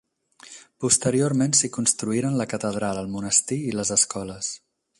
Posteriorment s'hi construïren la catedral, el monestir i les escoles.